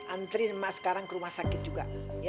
anterin mak sekarang ke rumah sakit juga